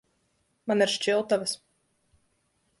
Man ir šķiltavas.